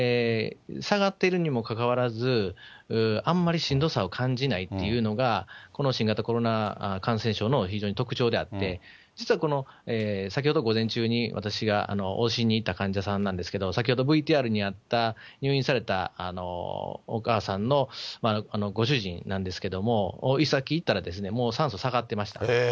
下がっているにもかかわらず、あんまりしんどさを感じないっていうのが、この新型コロナ感染症の非常に特徴であって、実はこの、先ほど午前中に私が往診に行った患者さんなんですけど、先ほどＶＴＲにあった、入院されたお母さんのご主人なんですけど、さっきいったらもう酸素下がってました。